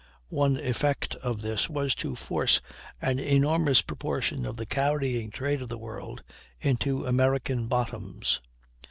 One effect of this was to force an enormous proportion of the carrying trade of the world into American bottoms.